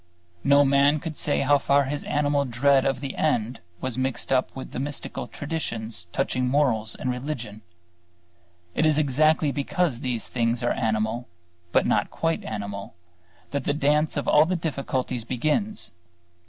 No man could say how far his animal dread of the end was mixed up with mystical traditions touching morals and religion. It is exactly because these things are animal, but not quite animal, that the dance of all the difficulties begins.